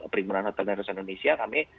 primerana terdana indonesia kami